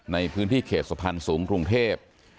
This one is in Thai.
ในพื้นที่เขตสะพานสูงกรุงเทพ